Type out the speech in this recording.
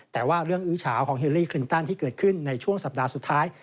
แต่ว่าเรื่องอื้อเฉาของเฮลลี่คลินตันที่เกิดขึ้นในช่วงสัปดาห์สุดท้าย